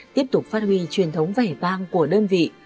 tiếp tục phát huy truyền thống vẻ vang của đơn vị